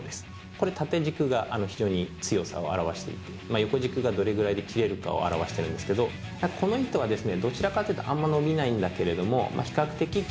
これ縦軸が非常に強さを表していて横軸がどれぐらいで切れるかを表してるんですけどという糸になります。